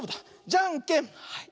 じゃんけんはい。